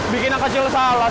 bikin yang kecil salah